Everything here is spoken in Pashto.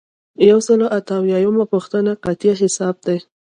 یو سل او اته اویایمه پوښتنه قطعیه حساب دی.